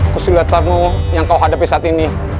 kesulitanmu yang kau hadapi saat ini